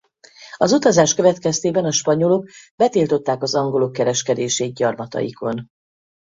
Az utazás következtében a spanyolok betiltották az angolok kereskedését gyarmataikon.